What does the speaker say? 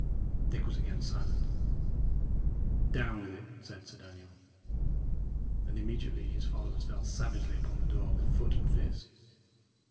Dick was again silent. "Down with it," said Sir Daniel. And immediately his followers fell savagely upon the door with foot and fist.